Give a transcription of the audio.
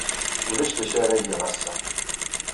Ulac d acu ara geɣ ass-a.